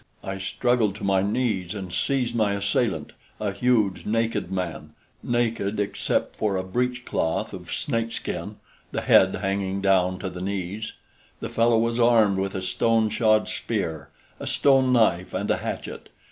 I struggled to my knees and seized my assailant, a huge, naked man naked except for a breechcloth of snakeskin, the head hanging down to the knees. The fellow was armed with a stone shod spear, a stone knife and a hatchet.